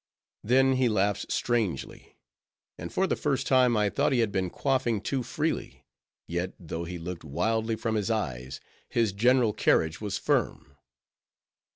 Then he laughed strangely: and for the first time, I thought he had been quaffing too freely: yet, though he looked wildly from his eyes, his general carriage was firm.